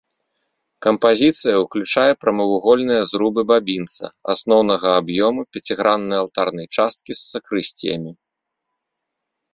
Кампазіцыя ўключае прамавугольныя зрубы бабінца, асноўнага аб'ёму, пяціграннай алтарнай часткі з сакрысціямі.